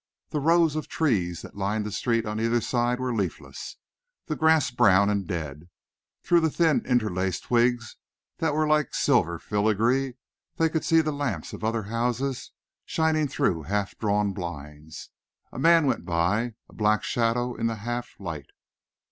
The rows of trees that lined the street on either side were leafless; the grass brown and dead. Through the thin, interlaced twigs that were like silver filigree they could see the lamps of other houses shining through half drawn blinds. A man went by, a black shadow in the half light.